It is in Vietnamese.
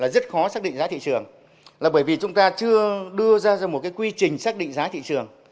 rất khó xác định giá thị trường là bởi vì chúng ta chưa đưa ra một cái quy trình xác định giá thị trường